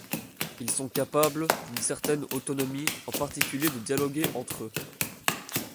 Ils sont capables d'une certaine autonomie, en particulier de dialoguer entre eux.